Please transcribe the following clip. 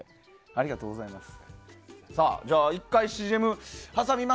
ありがとうございます。